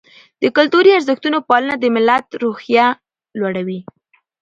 د کلتوري ارزښتونو پالنه د ملت روحیه لوړوي.